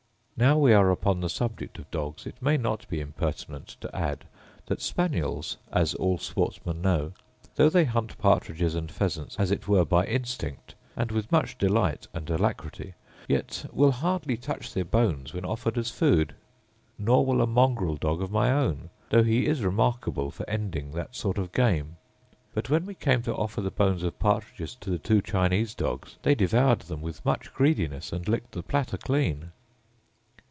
Now we are upon the subject of dogs it may not be impertinent to add, that spaniels, as all sportsmen know, though they hunt partridges and pheasants as it were by instinct, and with much delight and alacrity, yet will hardly touch their bones when offered as food; nor will a mongrel dog of my own, though he is remarkable for ending that sort of game. But, when we came to offer the bones of partridges to the two Chinese dogs, they devoured them with much greediness, and licked the platter clean.